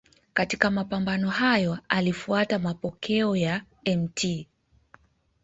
Katika mapambano hayo alifuata mapokeo ya Mt.